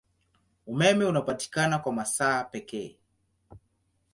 Umeme unapatikana kwa masaa pekee.